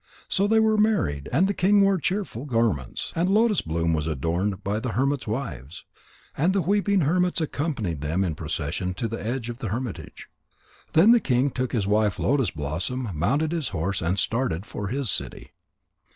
So they were married, and the king wore cheerful garments, and Lotus bloom was adorned by the hermits' wives. And the weeping hermits accompanied them in procession to the edge of the hermitage. Then the king took his wife Lotus bloom, mounted his horse, and started for his city.